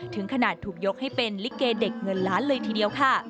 ถึงขนาดถูกยกให้เป็นลิเกเด็กเงินล้านเลยทีเดียวค่ะ